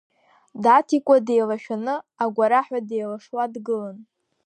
Даҭикәа деилашәаны, агәараҳәа деилашуа дгылан…